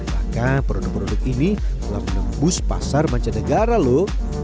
maka produk produk ini telah menembus pasar manca negara loh